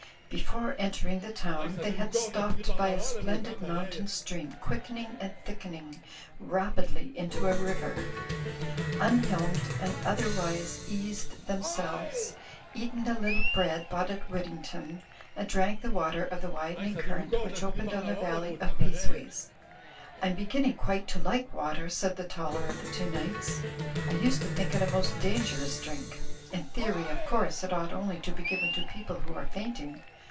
Before entering the town they had stopped by a splendid moimtain stream quickening and thickening rapidly into a river; unhelmed and otherwise eased themselves, eaten a little bread bought at Wyddington and drank the water of the wid/ening current which opened on the valley of Peaceways. "I'm beginning quite to like water," said the taller of the two knights. "I used to think it a most dangerous drink. In theory, of course, it ought only to be given to people who are fainting.